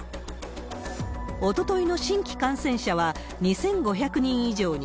おとといの新規感染者は２５００人以上に。